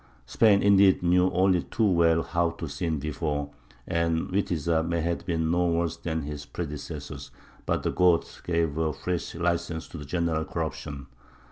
Spain, indeed, knew only too well how to sin before, and Witiza may have been no worse than his predecessors; but the Goths gave a fresh license to the general corruption.